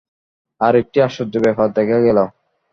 আর-একটি আশ্চর্য ব্যাপার দেখা গেল।